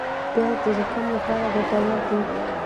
پیاز د زکام لپاره ګټور دي